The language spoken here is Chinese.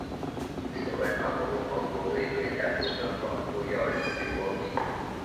此外法国共和国卫队还负责保护要人及国宾。